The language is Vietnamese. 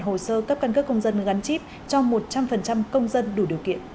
hồ sơ cấp căn cước công dân gắn chip cho một trăm linh công dân đủ điều kiện